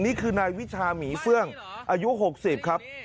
นี่คือนายวิชาหมีเฟื่องอายุ๖๐ครับ